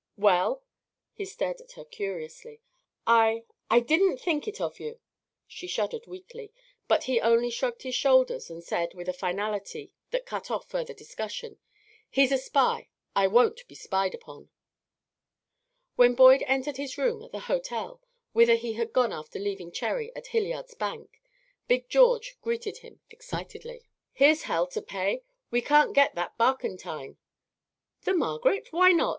"Well?" He stared at her, curiously. "I I didn't think it of you." She shuddered weakly, but he only shrugged his shoulders and said, with a finality that cut off further discussion: "He's a spy! I won't be spied upon." When Boyd entered his room at the hotel, whither he had gone after leaving Cherry at Hilliard's bank, Big George greeted him excitedly. "Here's hell to pay. We can't get that barkentine." "The Margaret? Why not?